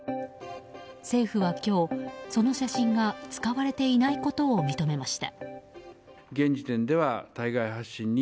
政府は今日、その写真が使われていないことを認めました。